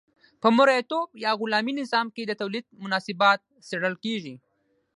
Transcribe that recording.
په مرئیتوب یا غلامي نظام کې د تولید مناسبات څیړل کیږي.